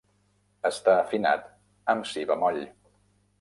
Està afinat amb si bemoll.